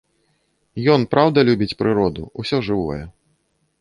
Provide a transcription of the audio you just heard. Ён праўда любіць прыроду, усё жывое.